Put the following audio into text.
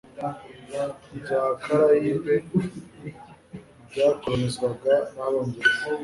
bya Karayibe byakoronizwaga n'Abongereza,